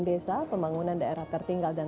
desa pembangunan daerah tertinggal dan